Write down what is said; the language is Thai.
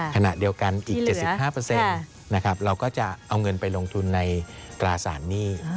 ขณะเดียวกันอีก๗๕เราก็จะเอาเงินไปลงทุนในตราสารหนี้